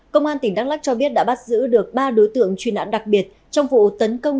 công an tỉnh đắk lắc cho biết đã bắt giữ được ba đối tượng truy nãn đặc biệt trong vụ tấn công